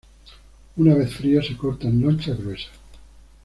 Una vez frío, se corta en lonchas gruesas.